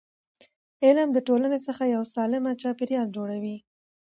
علم د ټولنې څخه یو سالم چاپېریال جوړوي.